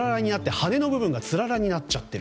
羽の部分がつららになっちゃっている。